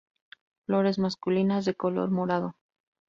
Flores masculinas de color morado.